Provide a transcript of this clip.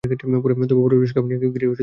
তবে পরের বিশ্বকাপ ঘিরেই করবেন পরিকল্পনা।